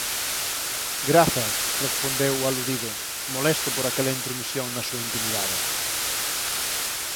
_Grazas _respondeu o aludido, molesto por aquela intromisión na súa intimidade_.